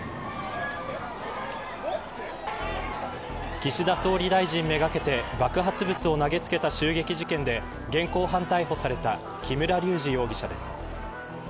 岸田総理大臣めがけて爆発物を投げつけた襲撃事件で現行犯逮捕された木村隆二容疑者です。